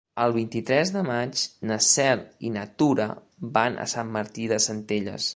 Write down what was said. El vint-i-tres de maig na Cel i na Tura van a Sant Martí de Centelles.